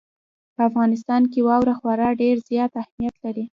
په افغانستان کې واوره خورا ډېر زیات اهمیت لري.